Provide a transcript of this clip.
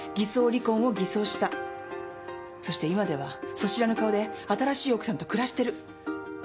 そして今ではそしらぬ顔で新しい奥さんと暮らしてる。